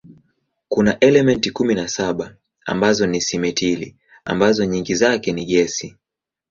Kuna elementi kumi na saba ambazo ni simetili ambazo nyingi zake ni gesi.